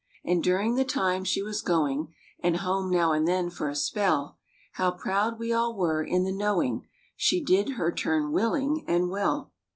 And during the time she was going And home now and then for a spell; How proud we all were in the knowing She did her turn willing and well.